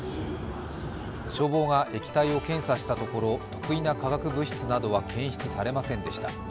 消防が液体を検査したところ特異な化学物質などは検出されませんでした。